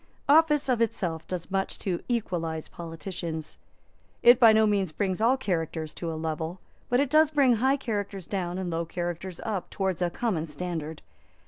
Office of itself does much to equalise politicians. It by no means brings all characters to a level; but it does bring high characters down and low characters up towards a common standard.